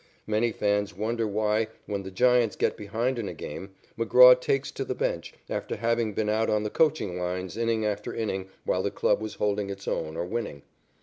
Many fans wonder why, when the Giants get behind in a game, McGraw takes to the bench, after having been out on the coaching lines inning after inning while the club was holding its own or winning.